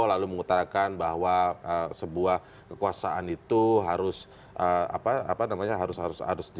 lalu mengutarkan bahwa sebuah kekuasaan itu harus apa namanya harus harus disi